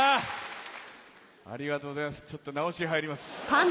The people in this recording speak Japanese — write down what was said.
ちょっと直し入ります。